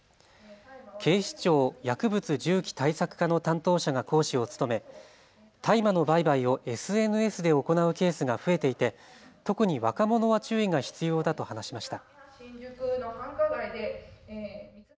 警視庁薬物銃器対策課の担当者が講師を務め大麻の売買をＳＮＳで行うケースが増えていて特に若者は注意が必要だと話しました。